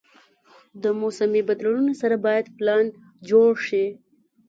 د موسمي بدلونونو سره باید پلان جوړ شي.